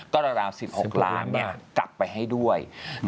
ก็ระดาษ๑๖ล้านเนี่ยกลับไปให้ด้วย